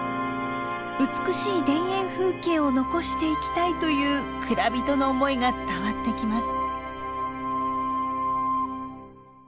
美しい田園風景を残していきたいという蔵人の思いが伝わってきます。